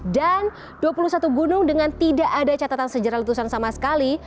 dan dua puluh satu gunung dengan tidak ada catatan sejarah letusan sama sekali